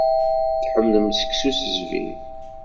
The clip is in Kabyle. Tḥemmlem seksu s zzbib?